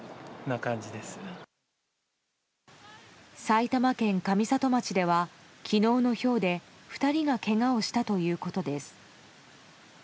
埼玉県上里町では昨日のひょうで２人がけがをしたということです。